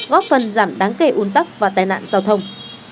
góp phần giảm đáng kể un tắc và tai nạn giao thông